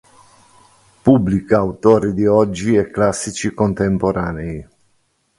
Pubblica autori di oggi e classici contemporanei.